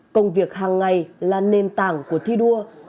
công việc hàng ngày là nền tảng của thi đua